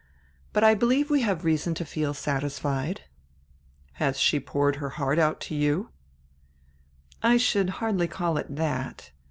But I believe we have reason to feel satisfied." "Has she poured out her heart to you? " "I should hardly call it that.